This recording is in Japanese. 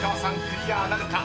クリアなるか］